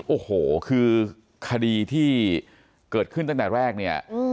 โอ้โหคือคดีที่เกิดขึ้นตั้งแต่แรกเนี่ย